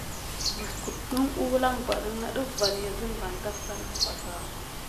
Mis kildan kuran mokone nok kikule kum wuké tida tatkizane.